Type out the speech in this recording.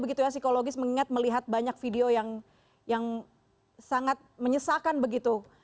begitu ya psikologis mengingat melihat banyak video yang sangat menyesakan begitu